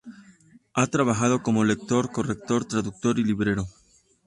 Ha trabajado como lector, corrector, traductor y librero.